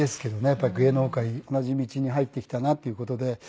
やっぱり芸能界同じ道に入ってきたなっていう事で。